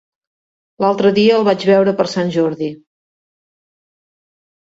L'altre dia el vaig veure per Sant Jordi.